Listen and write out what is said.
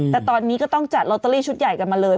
แต่ตอนนี้ก็ต้องจัดลอตเตอรี่ชุดใหญ่กันมาเลย